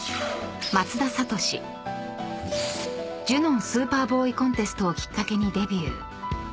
［ジュノン・スーパーボーイ・コンテストをきっかけにデビュー］